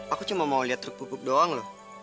aku cuma mau lihat truk pupuk doang loh